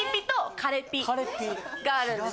があるんですよ。